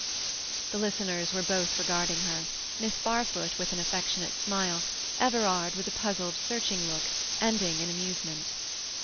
The listeners were both regarding her—Miss Barfoot with an affectionate smile, Everard with a puzzled, searching look, ending in amusement.